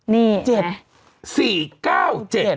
นี่แหละ